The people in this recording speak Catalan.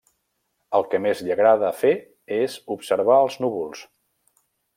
El que més li agrada fer és observar els núvols.